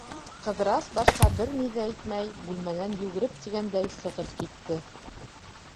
Ҡыҙырас, башҡа бер ни ҙә әйтмәй, бүлмәнән йүгереп тигәндәй сығып китте.